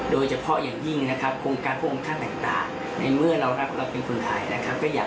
โดยเฉพาะแต่มาภาพพระราชดำริของพวกเขา